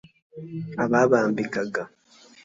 ababambikaga